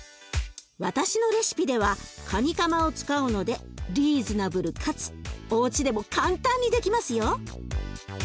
私のレシピではカニカマを使うのでリーズナブルかつおうちでも簡単にできますよ。